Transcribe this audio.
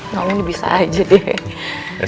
nah lo ini bisa aja deh